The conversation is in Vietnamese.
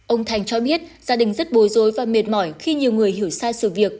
ông thành cho biết gia đình rất bồi dối và mệt mỏi khi nhiều người hiểu sai sự việc